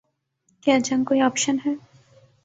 کیا جنگ کوئی آپشن ہے؟